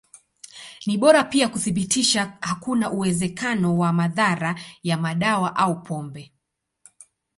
Ni bora pia kuthibitisha hakuna uwezekano wa madhara ya madawa au pombe.